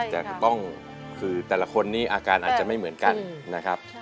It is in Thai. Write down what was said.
แต่ต้องคือแต่ละคนนี้อาการอาจจะไม่เหมือนกันนะครับ